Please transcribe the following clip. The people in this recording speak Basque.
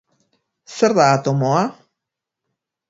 Zer da atomoa?